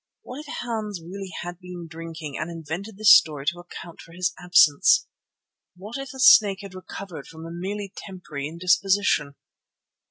What if Hans really had been drinking and invented this story to account for his absence? What if the snake had recovered from a merely temporary indisposition?